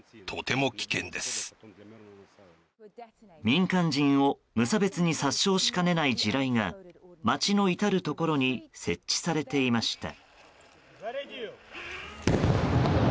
民間人を無差別に殺傷しかねない地雷が街の至るところに設置されていました。